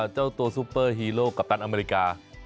เจ้าตัวซุปเปอร์ฮีโลกกัปตันอเมริกา